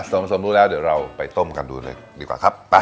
สมรู้แล้วเดี๋ยวเราไปต้มกันดูเลยดีกว่าครับ